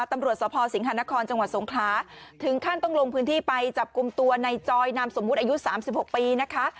ตำรวจสภสิงหานครจังหวัดสงคราถึงขั้นต้องลงพื้นที่ไปจับกลุ่มตัวในจอยนามสมมุติอายุ๓๖ปีนะคะ